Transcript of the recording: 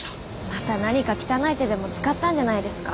また何か汚い手でも使ったんじゃないですか？